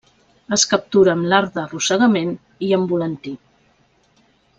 Es captura amb l'art d'arrossegament i amb volantí.